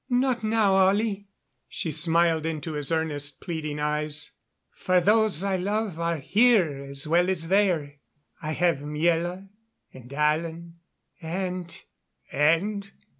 "Not now, Ollie." She smiled into his earnest, pleading eyes. "For those I love are here as well as there. I have Miela and Alan and " "And?"